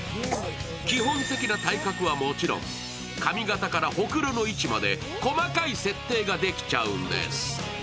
基本的な体格はもちろん、髪形からほくろの位置まで細かい設定ができちゃうんです。